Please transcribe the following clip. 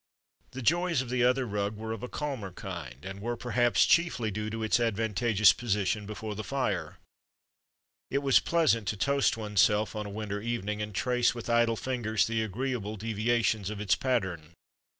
The joys of the other rug were of a calmer kind, and were, perhaps, chiefly due to its advantageous position before the fire. It was pleasant to toast oneself on a winter evening and trace with idle fingers 78 THE DAY BEFORE YESTERDAY the agreeable deviations of its pattern.